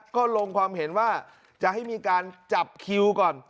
ก็ลงความเห็นว่าจะให้มีการจับคิวก่อน